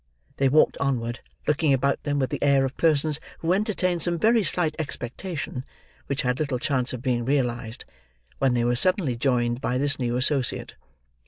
They walked onward, looking about them with the air of persons who entertained some very slight expectation which had little chance of being realised, when they were suddenly joined by this new associate.